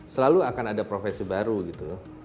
selalu akan ada profesi baru gitu